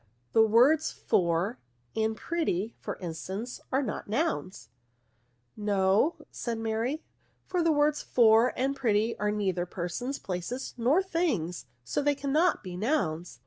The words for and pretty y for instance, are not nouns." " No," said Mary ;" for the words /or and pretty are neither persons, places, nor things ; so they cannot be nouns.